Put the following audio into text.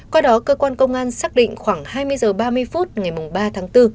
qua đó cơ quan công an xác định khoảng hai mươi h ba mươi phút ngày ba tháng bốn